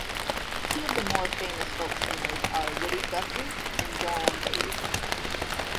Two of the more famous folk singers are Woody Guthrie and Joan Baez.